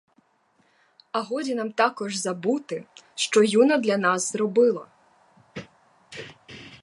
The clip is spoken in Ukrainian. А годі нам також забути, що юна для нас зробила.